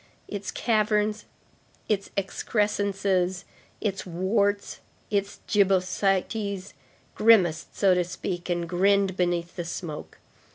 Its caverns, its excrescences, its warts, its gibbosities, grimaced, so to speak, and grinned beneath the smoke.